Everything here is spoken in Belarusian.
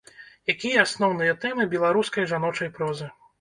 Якія асноўныя тэмы беларускай жаночай прозы?